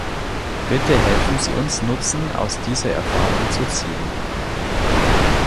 Bitte helfen Sie uns, Nutzen aus dieser Erfahrung zu ziehen.